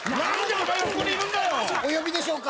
お呼びでしょうか？